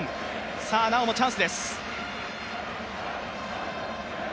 さぁ、なおもチャンスです。